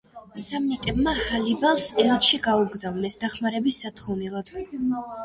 სამნიტებმა ჰანიბალს ელჩი გაუგზავნეს დახმარების სათხოვნელად.